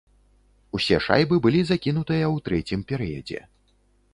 Усе шайбы былі закінутыя ў трэцім перыядзе.